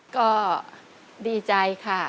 ก็ดีใจค่ะ